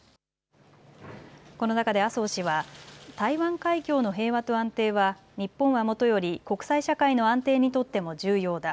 この中で麻生氏は台湾海峡の平和と安定は日本はもとより国際社会の安定にとっても重要だ。